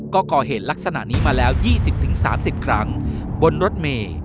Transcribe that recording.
ก็ก่อเหตุลักษณะนี้มาแล้ว๒๐๓๐ครั้งบนรถเมย์